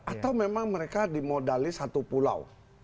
atau memang mereka dimodali satu pulau